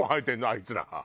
あいつらが。